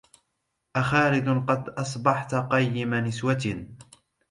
أخالد قد أصبحت قيم نسوة